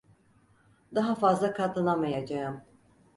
Daha fazla katlanamayacağım.